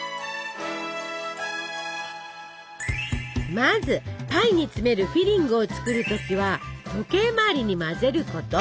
まずパイに詰めるフィリングを作る時は時計回りに混ぜること。